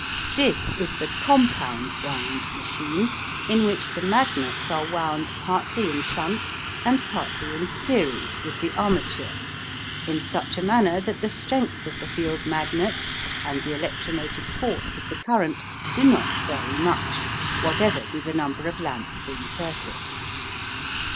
This is the "compound wound" machine, in which the magnets are wound partly in shunt and partly in series with the armature, in such a manner that the strength of the field magnets and the electromotive force of the current do not vary much, whatever be the number of lamps in circuit.